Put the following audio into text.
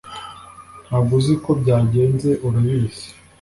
Ntabwo uzi uko byagenze urabizi